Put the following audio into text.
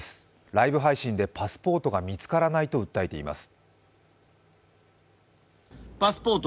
ライブ配信でパスポートが見つからないと訴えています。